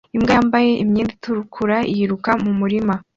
Imbwa yambaye imyenda itukura yiruka mu murima